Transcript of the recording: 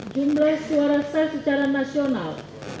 satu jumlah suara sah secara nasional